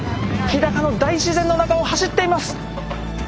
日高の大自然の中を走っています。